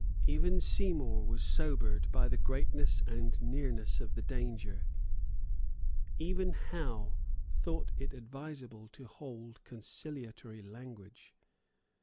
Even Seymour was sobered by the greatness and nearness of the danger. Even Howe thought it advisable to hold conciliatory language.